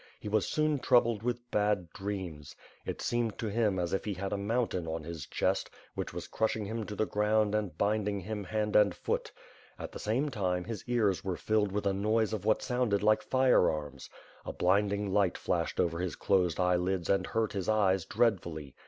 He was soon troubled with bad dreams. It seemed to him as if he had a mountaJD on his chest, which was crushing him to the ground and bind ing him hand and foot. At the same time, his ears were filled with a noise of what sounded like firearms. A blinding light flashed over his closed eyelids and hurt his eyes dread fully.